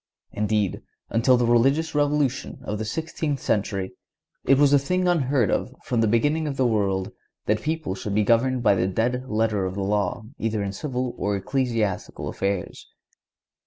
Indeed, until the religious revolution of the sixteenth century, it was a thing unheard of from the beginning of the world, that people should be governed by the dead letter of the law either in civil or ecclesiastical affairs.